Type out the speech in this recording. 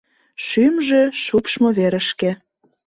Шӱмжӧ шупшмо верышке